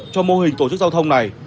cho mô hình tổ chức giao thông này